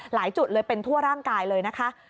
หลายจุดเลยเป็นทั่วร่างกายเลยนะคะ